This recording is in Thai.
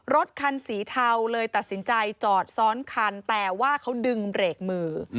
รถคันสีเทาเลยตัดสินใจจอดซ้อนคันแต่ว่าเขาดึงเบรกมือ